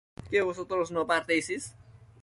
¿que vosotros no partieseis?